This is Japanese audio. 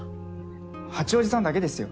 八王子さんだけですよ。